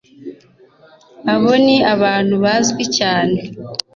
abo ni abantu bazwi cyane